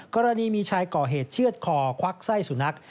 กรณีมีชายก่อเหตุเชื่อดคอควักไส้สุนัข